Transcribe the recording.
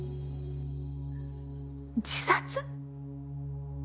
自殺？